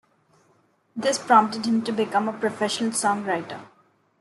This prompted him to become a professional songwriter.